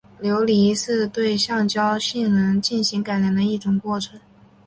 硫化是对橡胶性能进行改良的一种过程。